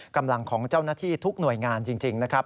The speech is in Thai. กำลังของเจ้าหน้าที่ทุกหน่วยงานจริงนะครับ